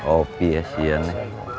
opi ya si yane